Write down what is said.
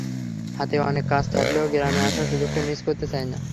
হাতে অনেক কাজ থাকলেও গ্রামে আসার সুযোগটা মিস করতে চাই না।